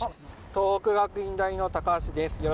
東北学院大の高橋です。